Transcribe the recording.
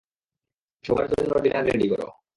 সবার জন্য dinner ready করো।